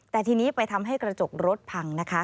แต่ทีนี้ไปทำให้กระจกรถพังนะคะ